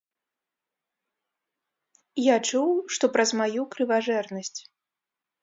Я чуў, што праз маю крыважэрнасць.